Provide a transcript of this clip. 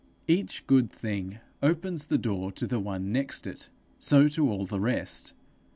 Each good thing opens the door to the one next it, so to all the rest.